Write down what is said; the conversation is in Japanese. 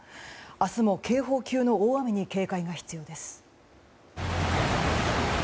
明日も警報級の大雨に警戒が必要です。